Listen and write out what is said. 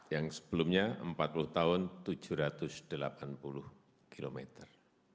yang sebelumnya empat puluh tahun tujuh ratus delapan puluh kilometer